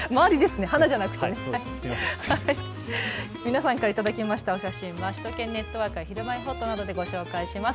皆さんから頂きました写真は首都圏ネットワークやひるまえほっとなどで紹介します。